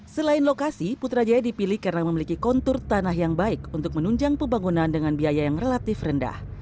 selain lokasi putrajaya dipilih karena memiliki kontur tanah yang baik untuk menunjang pembangunan dengan biaya yang relatif rendah